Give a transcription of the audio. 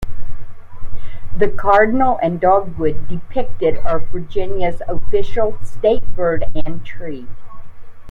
The cardinal and dogwood depicted are Virginia's official state bird and tree.